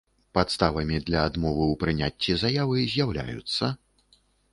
Падставамi для адмовы ў прыняццi заявы з’яўляюцца.